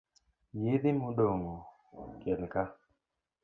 Yedhe modong'o kelka.